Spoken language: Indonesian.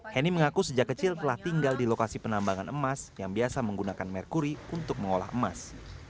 heni mengaku sejak kecil telah tinggal di lokasi penambangan emas yang biasa menggunakan merkuri untuk mengolah emas